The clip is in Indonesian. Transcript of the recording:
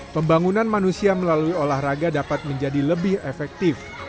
pembangunan manusia melalui olahraga dapat menjadi lebih efektif